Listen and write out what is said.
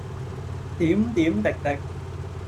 點點滴滴。